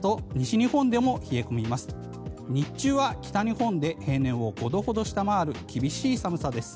日中は北日本で平年を５度ほど下回る厳しい寒さです。